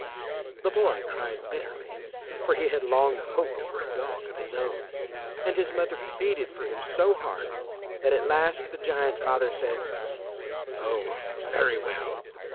The boy cried bitterly, for he had long hoped for a dog of his own, and his mother pleaded for him so hard that at last the giant father said, "Oh, very well.